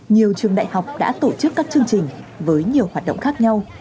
nhiều trường đại học đã tổ chức các chương trình với nhiều hoạt động khác nhau